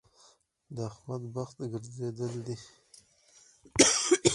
د احمد بخت ګرځېدل دی.